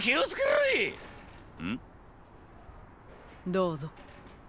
どうぞ。